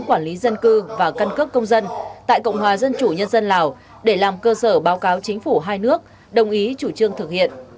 quản lý dân cư và căn cước công dân tại cộng hòa dân chủ nhân dân lào để làm cơ sở báo cáo chính phủ hai nước đồng ý chủ trương thực hiện